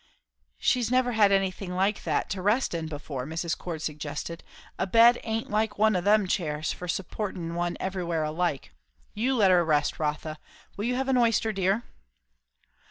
"She's never had anything like that to rest in before," Mrs. Cord suggested. "A bed aint like one o' them chairs, for supportin' one everywhere alike. You let her rest, Rotha. Will you have an oyster, dear?"